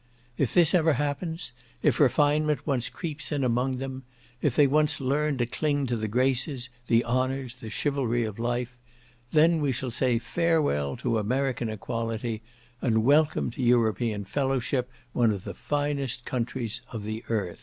If this ever happens, if refinement once creeps in among them, if they once learn to cling to the graces, the honours, the chivalry of life, then we shall say farewell to American equality, and welcome to European fellowship one of the finest countries on the earth.